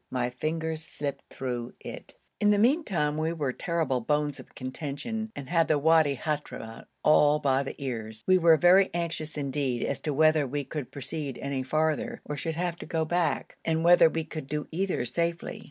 my fingers slipped through it. In the meantime we were terrible bones of contention, and had the Wadi Hadhramout all by the ears. We were very anxious indeed as to whether we could proceed any farther or should have to go back, and whether we could do either safely.